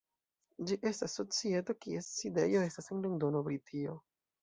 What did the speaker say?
Ĝi estas societo kies sidejo estas en Londono, Britio.